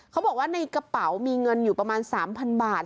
เขาบอกว่าในกระเป๋ามีเงินอยู่ประมาณ๓๐๐บาท